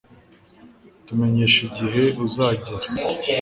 Tumenyeshe igihe uzagera